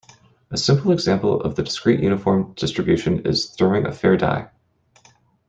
A simple example of the discrete uniform distribution is throwing a fair die.